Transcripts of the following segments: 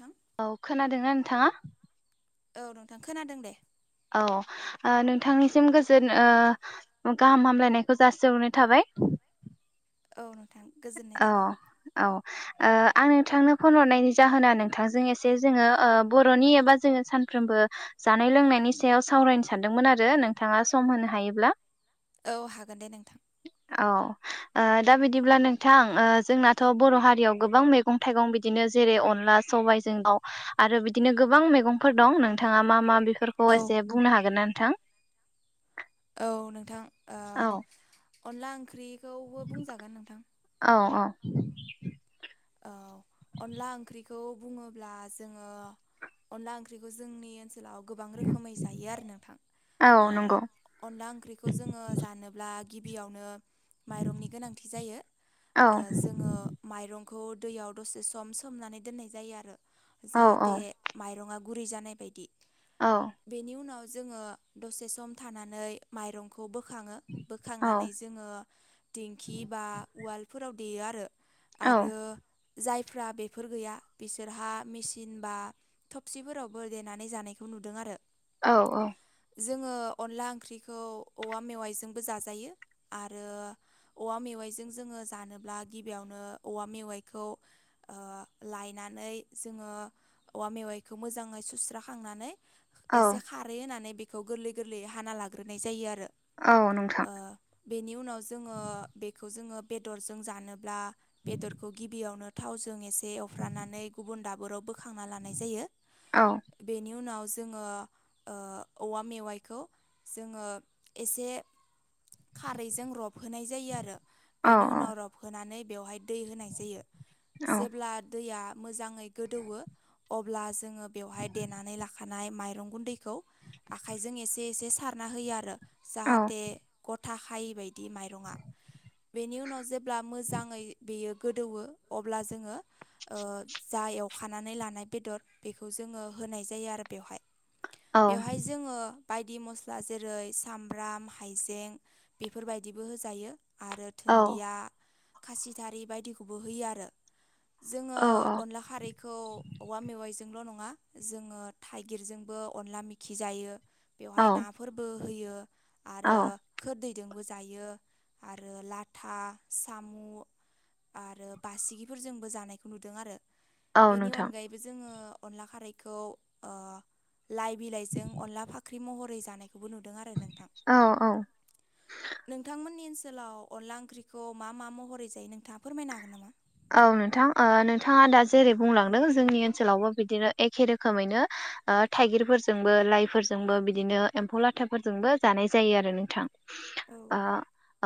नोंथां औ खोनादोंना नोंथाङा औ नोंथां खोनादों दे औ ओ नोंथांनिसिम गोजोन ओ गाहाम हामलायनायखौ जासिहरनाय थाबाय [inaudible] औ नोंथां गोजोननाय औ थाबाय औ ओ आं नोंथांनो फन हरनायनि जाहोना नोंथां एसे जोङो ओ बर'नि एबा जोङो सानफ्रामबो जा जानाय लोंनायनि सायाव सावरायनो सानदोंमोन आरो नोंथाङा सम होनो हायोब्ला औ हागोन दे नोंथां औ ओ दा बिदिब्ला नों थां ओ जोंनाथ' बर' हारियाव गोबां मैगं थाइगं बिदिनो जेरै अनला सबाइजों दाउ आरो बिदिनो गोबां मैगंफोर दं नोंथाङा मा मा बि फोरखौ औ एसे बुंनो हागोन ना नोंथां? औ नोंथां ओ औ अनला ओंख्रिखौबो बुंजागोन नोंथां औ [inaudible] अनला ओंख्रिखौ बुङोब्ला जोङो अनला ओंख्रिखौ जोंनि ओनसोल ओनसोलाव गोबां रोखोमै जायो आरो नोंथां औ ओ नंगौ अनला ओंख्रिखौ जोङो जानोब्ला गिबियावनो माइरंनि गोनांथि जायो औ ओ जोङो माइरं खौ दैयाव दसे सम सोमनानै दोननाय जायो आरो औ औ जाहाथे माइरङा गुरै जानाय बायदि औ बेनि उनाव जोङो दसे सम थानानै माइरंखौ खौ बोखाङो औ बोखांनानै जोङो दिंखि बा उवालफोराव देयो आरो आरो जायफ्रा बेफोर गैया बिसोरहा मेसिन बा थबसिफोरावबो देनानै जानायखौ नु नुदों आरो औ औ जोङो अनला ओंख्रिखौ औवा मेवाइजोंबो जाजायो आरो औवा मे आइजों जों जोङो जानोब्ला गिबियावनो औवा मेवाइखौ ओ लायनानै जोङो औवा मेवाइखौ मोजाङै सुस्राखांनानै औ एसे खारै होननानै बेखौ गोरलै गोरलैयै हाना लाग्रोनाय जायो आरो औ नोंथां ओ बेनि उनाव जोङो बेखौ जोङो बेदरजों जानोब्ला बेदरखौ गिबियावनो थावजों एसे एवफ्रानानै गुबुन दाबोराव बोख खांना लानाय जायो औ बेनि उनाव ज जोङो ओ औवा मेवाइखौ जोङो एसे खारैजों रबहोनाय जायो आरो औ बेनि उनाव रबहोनानै बेवहाय दै होनाय जायो। औ जेब्ला दैआ मोजाङै गोदौवो अब्ला जोङो बेवहाय देनानै लाखानाय माइरं गुन्दैखौ आखाइजों एसे एसे सारना होयो आरो औ जाहाथे गथा खायै बाय दि माइरङा बेनि उनाव जेब्ला मोजाङै बेयो गोदौवो अब्ला जोङो ओ जा एवखानानै लानाय बेदर बेखौ जों ओ होनाय जायो आरो बेवहाय बेवहाय जोङो बायदि मस्ला जेरै सामब्राम हाइजें बेफोरबायदिबो होजायो आरो दुन्दिया खासिथारि बायदिखौबो होयो आरो जोङो औ अनला खारैखौ औवा मेवाइजों ल' नङा जोङो थाइगिरजोंबो अनला मेखि जायो औ बेयावहाय नाफोरबो होयो आरो खोरदै दोंबो जायो आरो लाथा साम' आरो बासिगिफोरजोंबो जानायखौ नुदों आरो। औ बेनि नोंथां अनगायैबो जोङो अनला खारैखौ लाइ बिलाइजों अनला फाख्रि महरै जानाय खौबो नुदों आरो नोंथां, औ औ नोंथांमोननि ओन सोलाव अनला ओंख्रिखौ मा मा महरै जायो नोंथाङा फोरमायनो हागोन नामा? औ नोंथां। ओ नोंथाङा दा जेरै बुंलांदों जोंनि ओनसोलावबो बिदिनो एखे रोखोमैनो ओ थाइगिरफोरजोंबो, लाइफोरजोंबो, बिदिनो एम्फौ लाथाफोरजोंबो जानाय जायो आरो नोंथां। औ ओ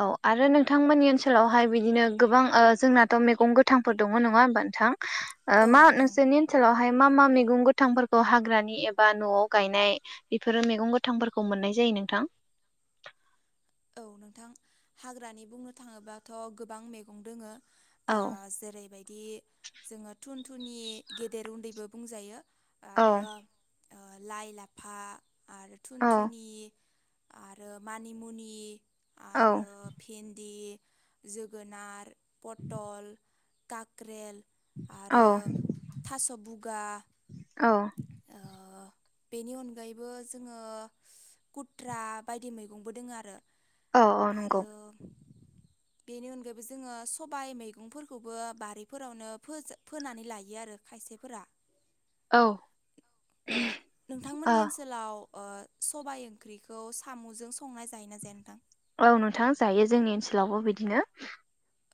औ आरो नोंथांमोननि ओनसोलावहाय बिदिनो गोबां ओ जोंनाथ' मैगं गोथांफोर दङ नङा होनबा नोंथां। औ मा दं नोंसोरनि ओनसोलावहाय मा मा मैगं गोथांफोरखौ हाग्रानि एबा न'आव गायनाय बेफोरो मैगं गोथांफोरखौ मोननाय जायो? नोंथां? औ नोंथां हाग्रानि बुंनो थाङोबाथ' गोबां मैगं दंङो औ जेरैबायदि जोङो थुन थुनि गेदेर उन्दैबो बुंजायो। औ आरो ओ लाइ लाफा आरो औ थुनथुनि। आरो मानिमुनि औ आरो भिन्दि। जोगोनार, पटल, काक्रेल, औ आरो थास' बुगा। औ ओ बेनि अनगायैबो जोङो कुत्रा बायदि मैगंबो दोङो आरो। औ औ नंगौ आरो [inaudible] बेनि अनगायैबो जोङो सबाय मैगंफोरखौबो बारिफोरावनो फोज-फोनानै लायो आरो खायसे फोरा। औ। औ ओ नोंथांमोननि ओनसोलाव ओ सबाय ओंख्रिखौ साम'जों संनाय जायोना जाया नोंथां? औ नोंथां जायो जोंनि ओनसोलावबो बिदिनो।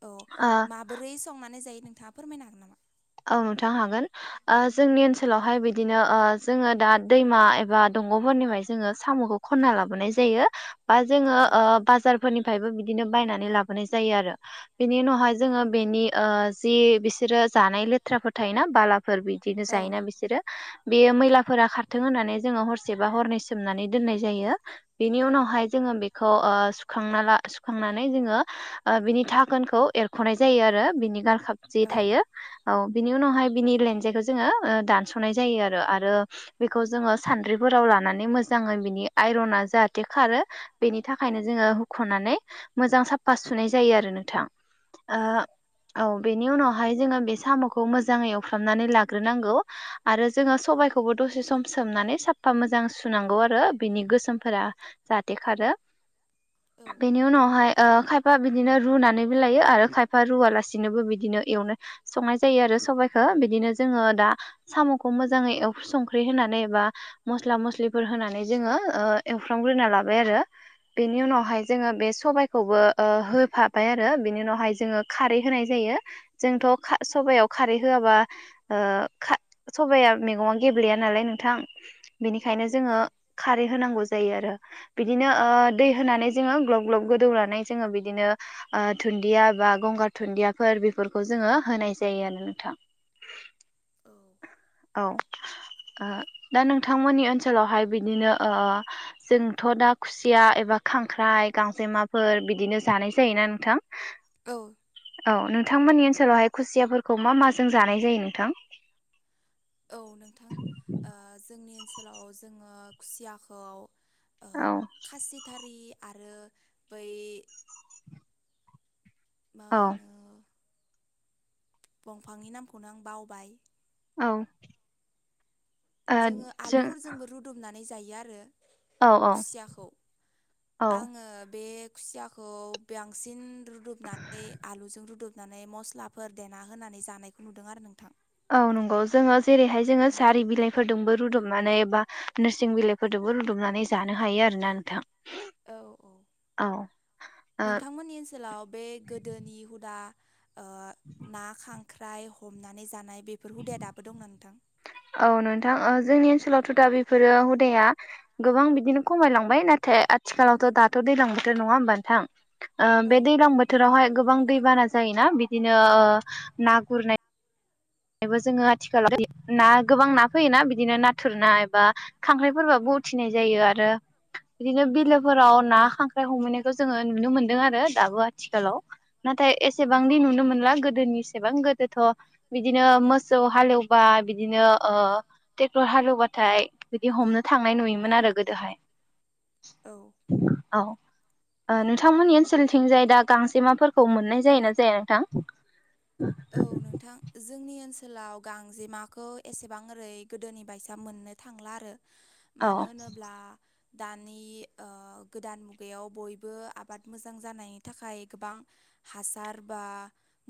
औ ओ माबोरै संनानै जायो नोंथाङा फोरमायनो हागोन नामा? औ नोंथां हागोन, आ जोंनि ओनसोलावहाय बिदिनो आ जोङो दा दैमा एबा दंगफोरनिफ्राय जोङो साम'खौ खनना लाबोनाय जायो। बा जोङो औ ओ बाजार फोरनिफ्रायबो बिदिनो बायनानै लाबोनाय जायो आरो। बिनि उनावहाय जोङो बेनि ओ जि बिसोरो जानाय लेथ्राफोर थायोना बालाफोर बिदिनो औ जायोना बिसोरो। बेयो मैलाफोरा खारथों होननानै जोङो हरसे बा हरनै सोमनानै दोननाय जायो। बेनि उनाव हाय जोङो बेखौ ओ सुखांनाला ओ सुखांनानै बिनि थाखोनखौ एखनाय जा यो आरो बिनि गालखाब जि औ थायो। औ बिनि उनावहाय बिनि लेनजायखौ जोङो ओ दानस'नाय जायो आरो। आरो बेखौ जोङो सान द्रिफोराव लानानै मोजाङै बिनि आइरना जाहाथे खारो बेनि थाखायनो जोङो हुख'नानै मोजां साफा सुनाय जायो आरो नोंथां। ओ औ बेनि उनावहाय जोङो बे साम'खौ मोजाङै एवफ्रामनानै लाग्रोनांगौ आरो जोङो सबाइखौबो दसे सम सोमनानै साफा मोजां सुनांगौ आरो बिनि गोसोमफोरा जाहाथे खारो। औ बेनि उनावहाय ओ खायफा बिदिनो रुनानैबो लायो आरो खायफा रुवलासिनोबो बिदिनो एवनो संनाय जायो आरो सबाइखो। बिदिनो जोङो दा साम'खौ मोजाङै एव संख्रि होनानै बा मस्ला मस्लिफोर होनानै जोङो ओ एवफ्रामग्रोना लाबाय आरो। बेनि उनावहाय जोङो बे सबायाइखौबो ओ होफाबाय आरो। बेनि उनावहाय जोङो खारै होनाय जायो। यो जोंथ' खा सबायाव खारै होआबा ओ सबाया मैगङा गेब्लेया नालाय नोंथां। बेनिखायनो जोङो औ खारै होनांगौ जायो आरो। बिदिनो ओ दै होनानै जोङो ग्लब ग्लब गोदौनानै जोङो बिदिनो ओ दुन्दिया बा गंगार दुन्दियाफोर बेफोरखौ जोङो होनाय। जायोआनो नोंथां औ। ओ दा नोंथांमोननि ओनसोलावहाय बिदिनो ओ जोंथ' दा खुसिया एबा खांख्राइ गांजेमाफोर बिदिनो जानाय जायोना नोंथां। औ। औ नोंथांमोननि ओनसोलावहाय खुसियाफोरखौ मा माजों जानाय जायो नोंथां? फोराव जोङो खुसियाखौ औ। फ्रि आरो बै मा औ होनो दंफांनि नामखौनो आं बावबाय। औ। ओ जोङो जों आलुफोरजोंबो रुदुबनानै जायो आरो। औ औ खुसियाखौ औ आङो बे खुसियाखौ बांसिन रुदबनानै आलुजों रुदब नानै मस्लाफोर देना होनानै जानायखौ नुदों आरो नोंथां। औ नंगौ जोङो जेरैहाय जोङो सारि बिलाइफोरजोंबो रुदबनानै बा एबा नोरसिं बिलाइफो। बो रुदब नानै जानो हायो आरो ना नोंथाङा। औ ओ नोंथांमोननि ओनसोलाव बे गोदोनि हुदा। ओ ना खांख्राइ हमनानै जानाय बेफोर हुदाया दाबो दंना नोंथां? औ नोंथां ओ जोंनि ओनसोलावथ' दा बेफोरो हुदाया गोबां बिदिनो खमायलांबाय नाथाय फाय आथिखालावथ' दाथ' दैज्लां बोथोर नङा होमब नोंथां? ओ औ बे दैलां बोथोरावहाय गोबां दैबाना जायोना बिदिनो ओ ना गुरनाय। बेबो जोङो आथिखालाव ना गोबां ना फैयोना बिदिनो नाथुर ना एबा खांख्राइफोरबो। उथिनाय जायो आरो बिदिनो बिलोफोराव ना औ खांख्राइ हमहैनायखौ जोङो नुनो मोनदों आरो। दाबो आथिखालाव नाथाय एसेबांदि नुनो मोनला गोदोनि एसेबां गोदोथ' बिदिनो मोसौ हालेवबा बिदिनो ओ ट्रेक्टर हालेवबाथाय बिदि हमनो था। थांनाय नुयोमोन आरो गोदोहाय। औ। औ। ओ नोंथांमोननि ओनसोलनिथिंजाय दा गांजे माफोरखौ मोननाय जाय ना जाया नोंथां। औ नोंथां जोंनि ओनसोलाव गांजेमाखौ एसेबां ओरै गोदोनि बायसां मोननो थांला आरो औ मानो होनोब्ला दानि ओ गोदान मुगायाव बयबो आबाद मोजां जानायनि थाखाय गोबां हासार बा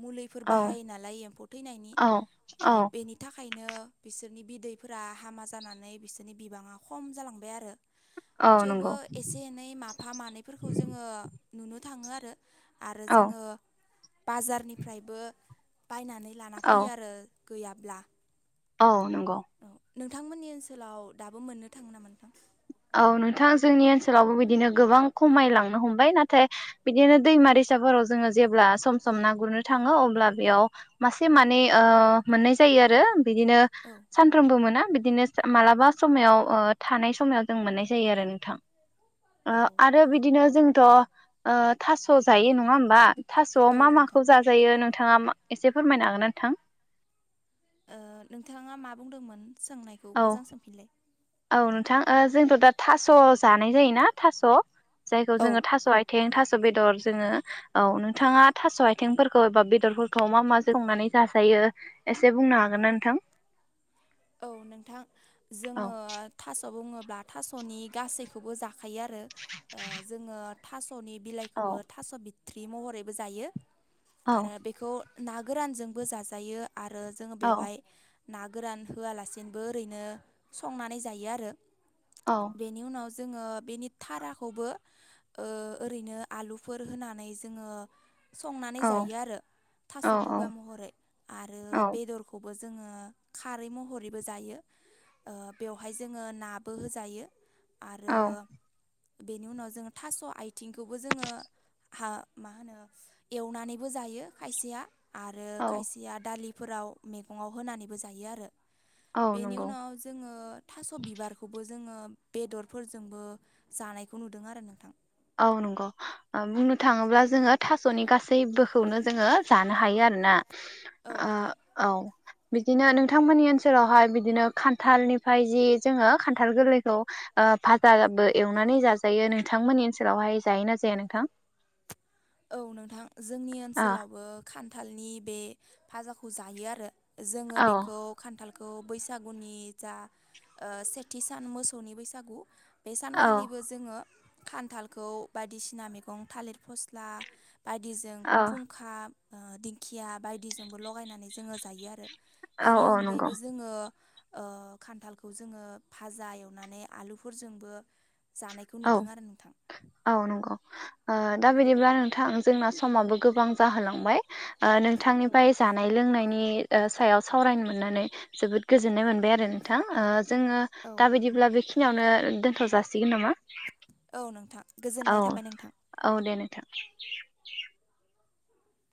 मुलिफोर औ बाहायो नालाय एम्फौ थैनायनि औ औ बेनि थाखाय खायनो बिसोरनि बिदैफोरा हामा जानानै बिसोरनि बिबाङा खम जालांबाय आरो औ थेवबो नंगौ एसे एनै माफा मानैफोरखौ जोङो नुनो थाङो आरो आरो औ जोङो बाजारनिफ्रायबो बायनानै लाना औ फैयो आरो गैयाब्ला औ नंगौ औ नोंथांमोननि ओनसोलाव दाबो मोननो थाङो नामा नोंथां औ नोंथां जोंनि ओनसोलावबो बिदिनो गोबां खमायलांनो हमबाय नाथाय बिदिनो दैमा दैसा सा फोराव जोंओ जेब्ला सम सम ना गुरनो थांओ अब्ला बेयाव मासे मानै ओ मोनाय जायो फै आरो बिदिनो औ सानफ्रामबो मोना बिदिनो मालाबा समाव थानाय समाव जों मोननाय जायो आरो नोंथां ओ औ आरो बिदिनो जोंथ 'ओ थास' जायो नङा होमबा? थास'आव औ मा नोंथां माखौ जाजायो नोंथाङा एसे फोरमायनो हागोन नोंथां ओ नोंथाङा मा मा बुंदोंमोन सोंनायखौ औ मोजां सोंफिनलाय औ नोंथां ओ जोंथ' दा थास' जानाय जायोना थास' जायखौ औ जोङो थास' आथिं थास' ' बेदर जोङो औ नोंथाङा थास' आथिंफोरखौ एबा बेदरफोरखौ मा मा जों संनानै जाजायो यो एसे बुंनो हागोनना नोंथां? औ नोंथां औ जोङो थास बुङो ब्ला थास'नि गासैखौबो जाखायो आरो ओ जोङो थास सनि औ बिलाइखौबो थास बिथ्रि महरैबो जायो औ आरो बेखौ ना गोरानजोंबो जाजायो आरो जोङो औ बेवहाय ना गोरान होआलासिनोबो ओरैनो संनानै जायो आरो औ बेनि उनाव जोङो बेनि थाराखौबो ओरैनो आलुफोर होनानै जोङो संनानै जायो आरो थास औ बुगा महरै आरो औ बेदरखौबो जो जोङो खा खारै महरैबो जायो ओ बेवहाय जोङो नाबो होजायो आरो औ बेनि उनाव जोङो थास आथिंखौबो जोङो हा मा होनो एवनानैबो जायो खायसेया आरो खायसेया दालिफोराव मैगङाव होनानैबो जायो आरो औ बेनि नंगौ उनाव जोङो थास बिबारखौबो जोङो बेदरफोरजोंबो जानायखौ नुदों आरो नोंथां? औ नंगौ ओ बुंनो थाङोब्ला जोङो थास'नि गासैबोखौनो जोङो जानो हायो आरो ना औ ओ औ बिदिनो नोंथांमोननि ओनसोलावहाय बिदिनो खान्थालनिफाय जि जोङो खान्थाल गोरलैखौ ओ फाजाबो एवनानै जाजायो नोंथांमोननि ओनसोलावहाय जायोना जाया नोंथां? औ नोंथां जोंनि ओ ओनसोलावबो खान्थालनि बे फाजाखौ जायो आरो जोङो औ बेखौ खान्थाल खौ बैसागुनि जा ओ सेथि सान मोसौनि बैसागु बे औ सानखालिबो जोङो खान्थालखौ बादिसिना मैगं थालिर फस्ला बायदिजों औ फुंखा ओ दिंखिया बायदिजोंबो लगायनानै जोङो जायो आरो औ बेनि औ नंगौ अनगायैबो जोङो ओ खान्थालखौ जोङो फाजा एवनानै आलुफोरजोंबो जानायखौ औ नुदों आरो नोंथां औ नंगौ ओ दा बिदिब्ला नोंथां जोंना समाबो गोबां जाहोलांबाय ओ औ नोंथांनिफाय जानाय लोंनायनि ओ सायाव सावरायनो मोननानै जोबोद गोजोननाय मोनबाय आरो नोंथां ओ जोङो औ दाबादिब्ला बेखिनियावनो दोनथ जासिगोन नामा? औ नोंथां औ गोजोननाय थाबाय नोंथां [inaudible]